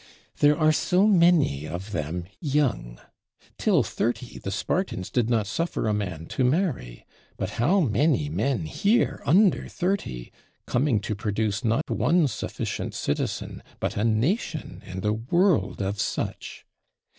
There are so many of them young. Till thirty the Spartans did not suffer a man to marry: but how many men here under thirty; coming to produce not one sufficient citizen, but a nation and a world of such!